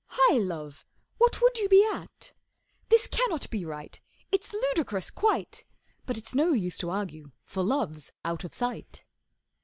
Hi, Love, what would you be at? This cannot be right! It's ludicrous quite!' But it's no use to argue, for Love's out of sight.